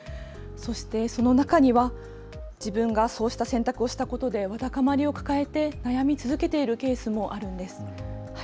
そして、その中には自分がした選択にわだかまりを抱えて悩み続けているケースもあるんです。